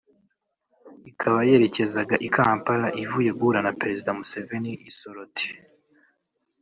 ikaba yerekezaga i Kampala ivuye guhura na perezida Museveni i Soroti